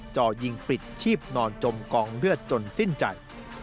จ่อยิงปิดชีพนอนจมกองเลือดจนสิ้นใจ